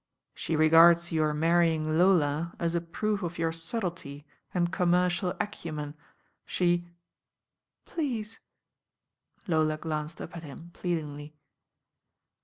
"She regards your marrying Lola as a proof of your subtlety and commercial acumen. She " "Please " Lola glanced up at him pleadingly.